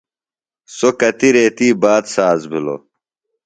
سوۡ کتیۡ ریتی باد ساز بِھلوۡ۔